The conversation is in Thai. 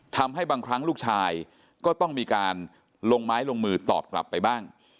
ทำให้บางครั้งลูกชายก็ต้องมีการลงไม้ลงมือตอบกลับไปบ้าง